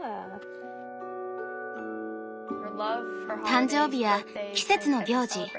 Ｙｅａｈ．誕生日や季節の行事